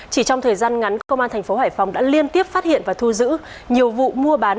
chỉ trong thời gian ngắn công an thành phố hải phòng đã liên tiếp phát hiện và thu giữ nhiều vụ mua bán